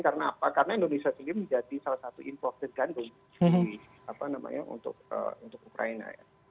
karena indonesia sendiri menjadi salah satu imposter gandum untuk ukraina